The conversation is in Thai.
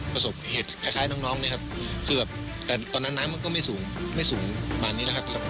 ประสบเหตุคล้ายน้องเนี่ยครับเกือบแต่ตอนนั้นน้ำมันก็ไม่สูงไม่สูงประมาณนี้นะครับ